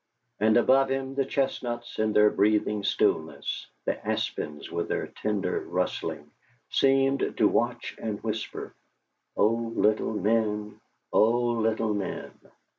And above him the chestnuts in their breathing stillness, the aspens with their tender rustling, seemed to watch and whisper: "Oh, little men! oh, little men!"